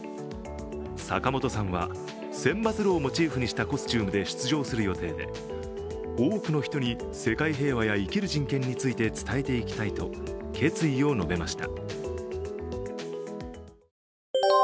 坂本さんは千羽鶴をモチーフにしたコスチュームで出場する予定で多くの人に世界平和や生きる人権について伝えていきたいと決意を述べました。